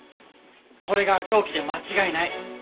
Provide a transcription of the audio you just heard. これが凶器で間違いない。